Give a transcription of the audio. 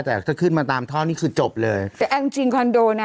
แต่ถ้าขึ้นมาตามท่อนี่คือจบเลยแต่เอาจริงจริงคอนโดนะ